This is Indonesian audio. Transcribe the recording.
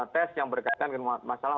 tes yang berkaitan dengan masalah